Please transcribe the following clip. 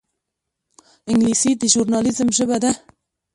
انګلیسي د ژورنالېزم ژبه ده